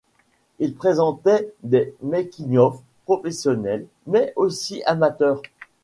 Il présentait des making-ofs professionnels, mais aussi amateurs.